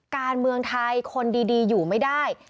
การเมืองไทยคนดีอยู่ไม่ได้